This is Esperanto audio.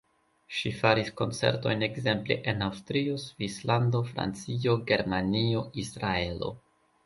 Ŝi faris koncertojn ekzemple en Aŭstrio, Svislando, Francio, Germanio, Israelo.